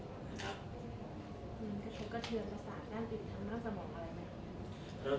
กระเทือนภาษาด้านติดทำให้ต้องสมบัติอะไรไหม